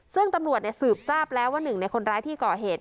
ซึ่งตำรวจสืบทราบแล้วว่าหนึ่งในคนร้ายที่ก่อเหตุ